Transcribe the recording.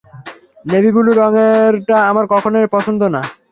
Navy blue রঙেরটা আমার কখনোই পছন্দ না।